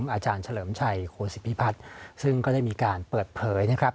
อาจารย์เฉลิมชัยโคศิพิพัฒน์ซึ่งก็ได้มีการเปิดเผยนะครับ